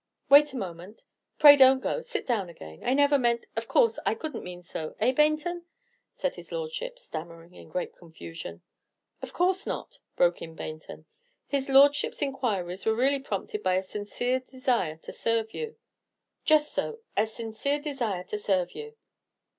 "Wait a moment; pray don't go, sit down again, I never meant, of course I could n't mean so, eh, Baynton?" said his Lordship, stammering in great confusion. "Of course not," broke in Baynton; "his Lordship's inquiries were really prompted by a sincere desire to serve you." "Just so, a sincere desire to serve you."